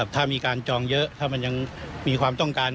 ถ้ามีการจองเยอะถ้ามันยังมีความต้องการ